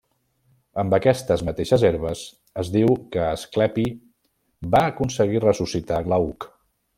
Amb aquestes mateixes herbes, es diu que Asclepi va aconseguir ressuscitar Glauc.